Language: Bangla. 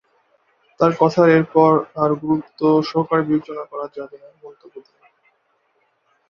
তাঁর কথার এরপর আর গুরুত্ব সহকারে বিবেচনা করা যাবে না"" মন্তব্য দিয়ে।